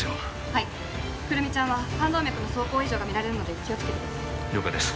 はい胡桃ちゃんは冠動脈の走行異常が見られるので気をつけてください了解です